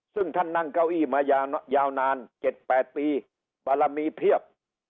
ซึ่งท่านนั่งเก้าอี้มายาวนาน๗๘ปีบารมีเพียบ